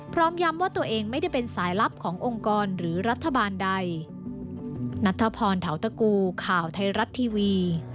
พร้อมย้ำว่าตัวเองไม่ได้เป็นสายลับขององค์กรหรือรัฐบาลใด